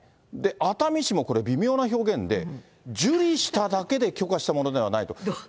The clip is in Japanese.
熱海市もこれ、微妙な表現で、受理しただけで、許可したものではないと。